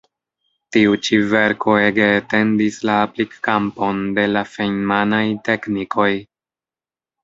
Tiu ĉi verko ege etendis la aplik-kampon de la Feinman-aj teknikoj.